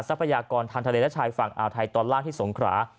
ทรัพยากรทางทะเลและชายฝั่งอ่าวไทยตอนล่างที่สงขรา